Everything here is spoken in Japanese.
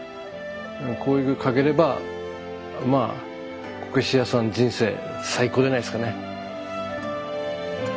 こういうの描ければまあこけし屋さんの人生最高じゃないですかね。